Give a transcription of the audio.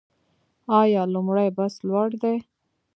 آیا لومړی بست لوړ دی؟